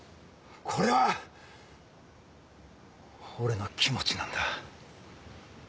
これは俺の気持ちなんだ。